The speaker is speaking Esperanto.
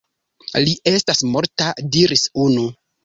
Li estas morta, diris unu.